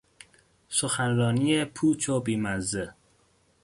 سخنرانی پوچ و بیمزه